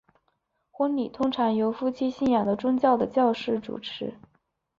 婚礼通常由夫妻信仰的宗教的教士主持。